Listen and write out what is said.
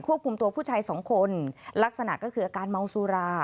คุมตัวผู้ชายสองคนลักษณะก็คืออาการเมาสุรา